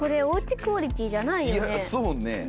おうちクオリティーじゃないよね。